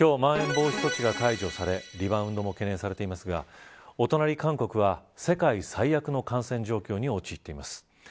今日、まん延防止措置が解除されリバウンドも懸念されていますがお隣韓国は世界最悪の感染状況に陥っています。